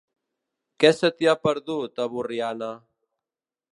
Què se t'hi ha perdut, a Borriana?